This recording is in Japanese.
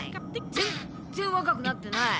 ぜんっぜんわかくなってない。